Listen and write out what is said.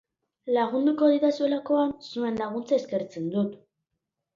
Lagunduko didazuelakoan, zuen laguntza eskertzen dut.